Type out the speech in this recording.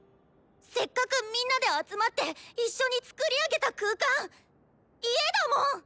せっかくみんなで集まって一緒に作り上げた空間家だもん！